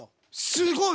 すごい！